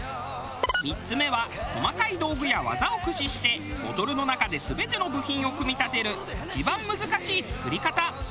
３つ目は細かい道具や技を駆使してボトルの中で全ての部品を組み立てる一番難しい作り方。